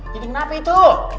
jadi kenapa itu